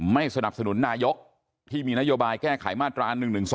ไม่สนับสนุนนายกที่มีนโยบายแก้ไขมาตรา๑๑๒